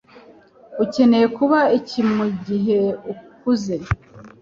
Ukeneye kuba iki mugihe ukuze?